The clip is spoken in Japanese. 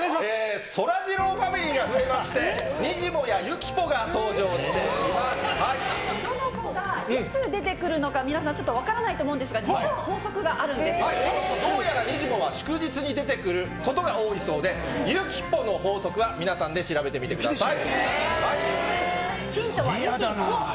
そらジローファミリーが増えまして、どの子がいつ出てくるのか、皆さんちょっと分からないと思うんですが、どうやらにじモは祝日に出てくることが多いそうで、ゆきポの法則は、皆さんで調べてみてください。